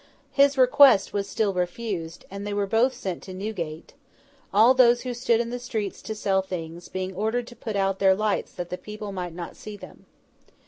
His request was still refused, and they were both sent to Newgate; all those who stood in the streets to sell things, being ordered to put out their lights that the people might not see them.